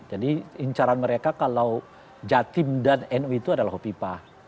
jadi incaran mereka kalau jatim dan nu itu adalah hopipah